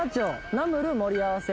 ナムル盛り合わせ。